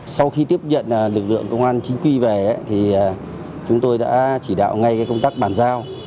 sau khi tiếp nhận lực lượng công an chính quy về thì chúng tôi đã chỉ đạo ngay công tác bàn giao